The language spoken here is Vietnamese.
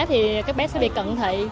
thì các bé sẽ bị cận thị